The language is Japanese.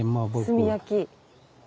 炭焼き。